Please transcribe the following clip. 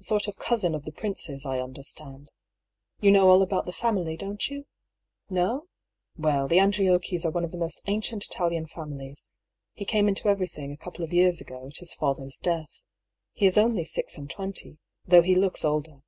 A sort of cousin of the prince's, I understand. You know all about the family, don't you? Ko? Well, the Andriocchis are one of the most ancient Italian families. He came into everything a couple of years ago, at his father's death. He is only six and twenty, though he looks older.